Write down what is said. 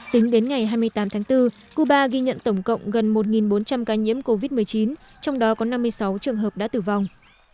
tính đến ngày hai mươi tám tháng bốn cuba ghi nhận tổng cộng gần một bốn trăm linh ca nhiễm covid một mươi chín trong đó có năm mươi sáu trường hợp đã tử vong